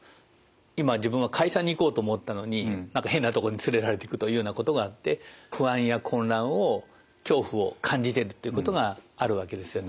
今自分は会社に行こうと思ったのに何か変なとこに連れられていくというようなことがあって不安や混乱を恐怖を感じてるってことがあるわけですよね。